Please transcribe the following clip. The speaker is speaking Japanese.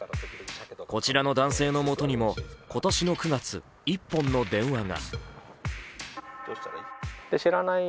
こちらの男性のもとにも今年の９月、１本の電話が。